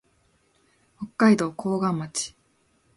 北海道厚岸町